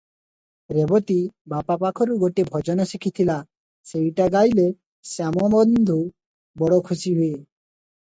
ରେବତୀ ବାପା ପାଖରୁ ଗୋଟିଏ ଭଜନ ଶିଖିଥିଲା ସେଇଟି ଗାଇଲେ ଶ୍ୟାମବନ୍ଧୁ ବଡ଼ ଖୁସି ହୁଏ ।